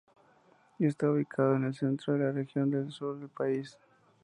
Está ubicado en el centro de la región Sur del país.